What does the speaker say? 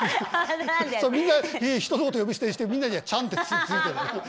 みんな人のこと呼び捨てにしてみんなには「ちゃん」って付いてる。